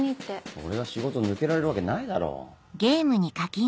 俺が仕事抜けられるわけないだろう。